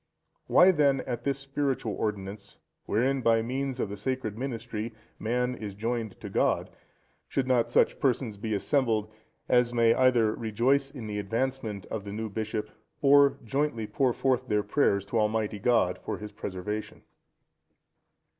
Why, then, at this spiritual ordinance, wherein, by means of the sacred ministry, man is joined to God, should not such persons be assembled, as may either rejoice in the advancement of the new bishop, or jointly pour forth their prayers to Almighty God for his preservation?